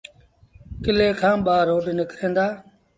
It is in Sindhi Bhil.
ڪلي کآݩ ٻآ روڊ نڪريݩ دآ۔